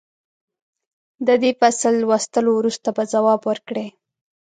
د دې فصل لوستلو وروسته به ځواب ورکړئ.